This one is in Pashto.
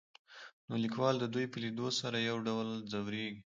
نو ليکوال د دوي په ليدو سره يو ډول ځوريږي.